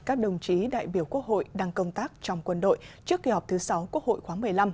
các đồng chí đại biểu quốc hội đang công tác trong quân đội trước kỳ họp thứ sáu quốc hội khóa một mươi năm